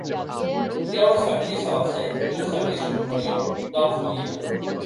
Hi ha una saviesa del seny i una saviesa, superior, de la follia.